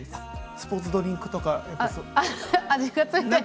スポーツドリンクとかそういう？